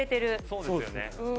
そうですよね。